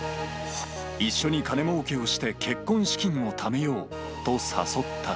一緒に金もうけをして、結婚資金をためようと誘った。